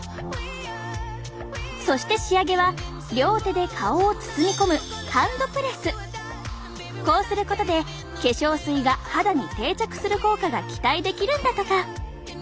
そして仕上げは両手で顔を包み込むこうすることで化粧水が肌に定着する効果が期待できるんだとか。